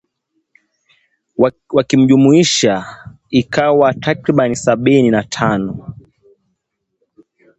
Wakijumuisha ikiwa takriban sabini na tano